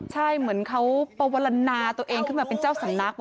ใช่เหมือนเขาปวลณาตัวเองขึ้นมาเป็นเจ้าสำนัก